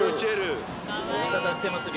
ご無沙汰してます。